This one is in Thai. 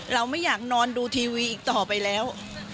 เราไม่อยากนอนดูทีวีอีกต่อไปแล้ว